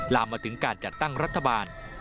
ลามมาถึงการจัดตั้งรัฐบาล